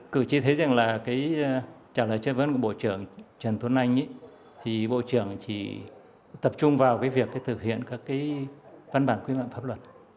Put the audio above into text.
cử tri thấy rằng trả lời chất vấn của bộ trưởng trần tuấn anh thì bộ trưởng chỉ tập trung vào việc thực hiện các văn bản quy mạng pháp luật